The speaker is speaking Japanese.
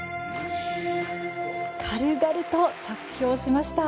軽々と着氷しました。